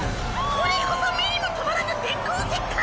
これこそ目にも止まらぬ電光石火！